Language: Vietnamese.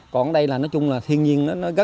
còn ở đây nói chung là thiên nhiên nó rất là đáng giá